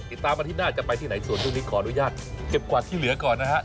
ติดตามอาทิตย์หน้าจะไปที่ไหนส่วนรุ่นนี้ขออนุญาตเก็บกว่าที่เหลือก่อนนะครับ